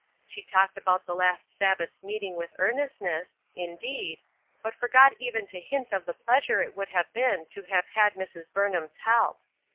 She talked about the last Sabbath's meeting with earnestness, indeed, but forgot even to hint of the pleasure it would have been to have had Mrs. Burnham's help.